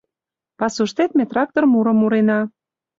Пасуштет ме трактор мурым мурена